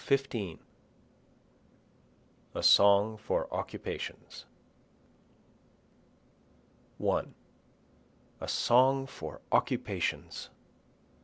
BOOK XV A Song for Occupations 1 A song for occupations!